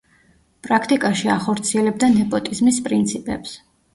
პრაქტიკაში ახორციელებდა ნეპოტიზმის პრინციპებს.